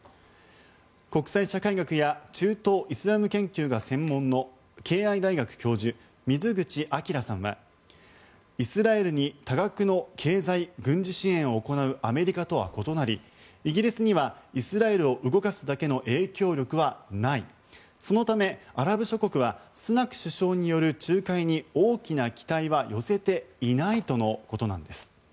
国際社会学や中東イスラム研究が専門の敬愛大学教授、水口章さんはイスラエルに多額の経済・軍事支援を行うアメリカとは異なりイギリスにはイスラエルを動かすだけの影響力はないそのため、アラブ諸国はスナク首相による仲介に大きな期待は寄せていないとのことです。